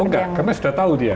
oh nggak karena sudah tahu dia